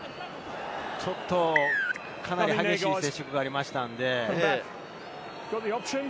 ちょっとかなり激しい接触がありましたので。